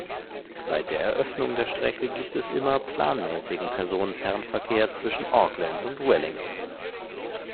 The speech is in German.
Seit der Eröffnung der Strecke gab es immer planmäßigen Personenfernverkehr zwischen Auckland und Wellington.